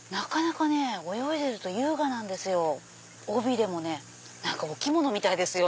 泳いでると優雅なんです尾びれもお着物みたいですよね。